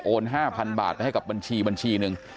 โอน๕๐๐๐บาทให้กับบัญชีบัญชีนึง